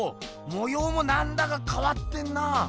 もようもなんだかかわってんな。